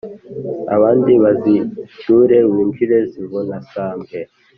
abandi bazicyure, winjire zivuna sambwe